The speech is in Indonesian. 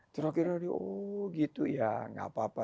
terakhirnya dia oh gitu ya nggak apa apa